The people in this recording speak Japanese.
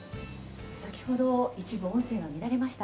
先ほど一部音声が乱れました。